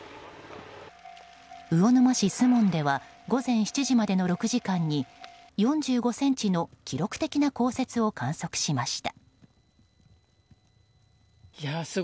魚沼市守門では午前７時までの６時間に４５ｃｍの記録的な降雪を観測しました。